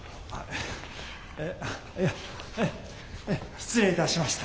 失礼いたしました。